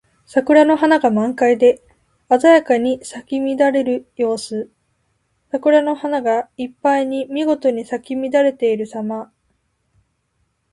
桜の花が満開で鮮やかに咲き乱れている様子。桜の花がいっぱいにみごとに咲き乱れているさま。